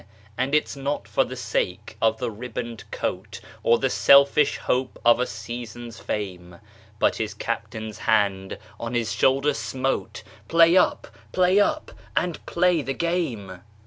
And it's not for the sake of a ribboned coat, Or the selfish hope of a season's fame, But his Captain's hand on his shoulder smote "Play up! play up! and play the game!"